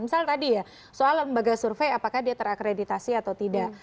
misal tadi ya soal lembaga survei apakah dia terakreditasi atau tidak